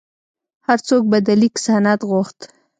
هر څوک به د لیک سند غوښت.